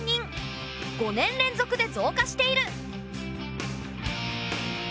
５年連続で増加している。